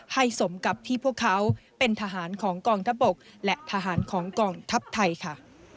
สมกับที่พวกเขาเป็นทหารของกองทัพบกและทหารของกองทัพไทยค่ะ